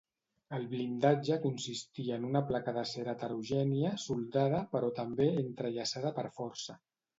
El blindatge consistia en una placa d'acer heterogènia, soldada però també entrellaçada per força.